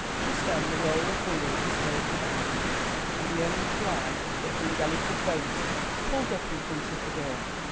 Just then the roll of wheels was heard without, and the only fly that Bryngelly could boast pulled up in front of the door.